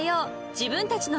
自分たちの手で］